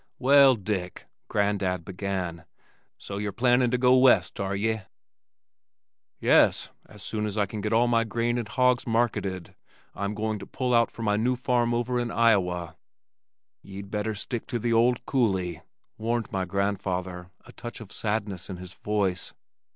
"Well, Dick," Grandad began, "so ye're plannin' to go west, air ye?" "Yes, as soon as I get all my grain and hogs marketed I'm going to pull out for my new farm over in Iowa." "Ye'd better stick to the old coulee," warned my grandfather, a touch of sadness in his voice.